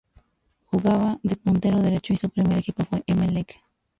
Jugaba de puntero derecho y su primer equipo fue Emelec.